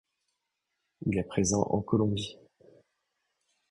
Il est présent en Colombie.